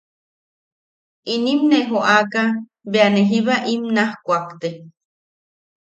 Inim ne joʼaka bea ne jiba im naaj kuakte, .